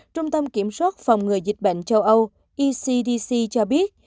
trung tâm kiểm soát phòng ngừa dịch bệnh châu âu ecdc cho biết